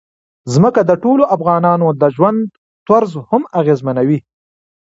ځمکه د ټولو افغانانو د ژوند طرز هم اغېزمنوي.